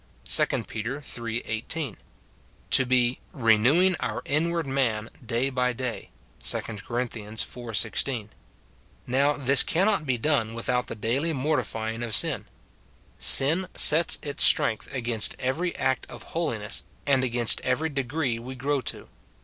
2, 2 Pet. iii. 18 ; to be "renewing our inward man day by day," 2 Cor. iv. 16. Now, this cannot be done without the daily mortifying of sin. Sin sets its sti ength against every act of holiness, and against every degree we grow to.